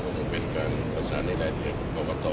จะเป็นการพัสดิ์ช้าในรายเทียมมาพอกต่อ